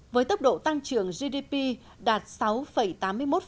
với tốc độ tăng trưởng gdp đạt sáu tám mươi một